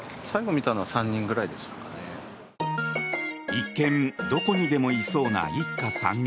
一見、どこにでもいそうな一家３人。